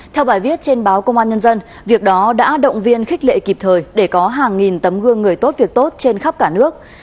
theo bài viết trên báo công an nhân dân việc đó đã động viên khích lệ kịp thời để có hàng nghìn tấm gương người tốt việc tốt trên khắp cả nước